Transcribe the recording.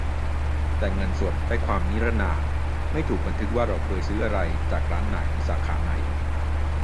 แต่เงินสดได้ความนรินาม ไม่ถูกบันทึกว่าเราเคยซื้ออะไร จากร้านไหน สาขาไหน